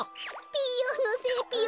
ピーヨンのせいぴよ。